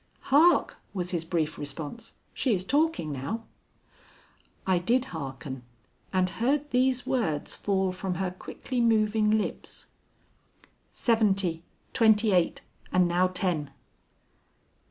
"Hark!" was his brief response. "She is talking now." I did hearken, and heard these words fall from her quickly moving lips: "Seventy; twenty eight; and now ten."